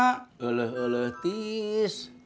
kak oleh oleh tis